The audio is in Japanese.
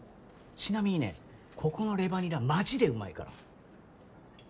ちなみにねここのレバニラマジでうまいから。